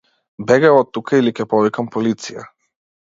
Бегај оттука или ќе повикам полиција.